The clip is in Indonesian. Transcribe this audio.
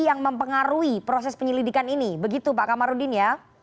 yang mempengaruhi proses penyelidikan ini begitu pak kamarudin ya